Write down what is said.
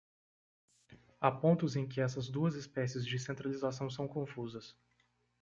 Há pontos em que essas duas espécies de centralização são confusas.